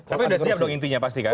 tapi udah siap dong intinya pasti kan